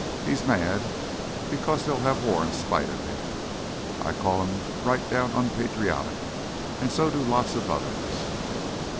He's mad because they'll have war in spite of him. I call him right down unpatriotic, and so do lots of others."